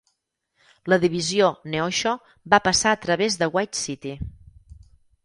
La divisió Neosho va passar a través de White City.